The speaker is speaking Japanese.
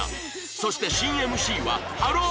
そして新 ＭＣ はハロー！